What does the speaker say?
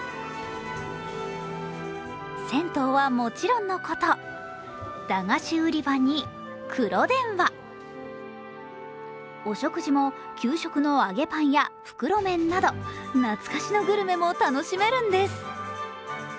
銭湯は、もちろんのこと、駄菓子売り場に黒電話、お食事も給食の揚げパンや袋麺など懐かしのグルメも楽しめるんです。